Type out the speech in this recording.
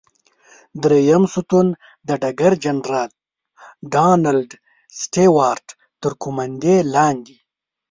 دریم ستون د ډګر جنرال ډانلډ سټیوارټ تر قوماندې لاندې.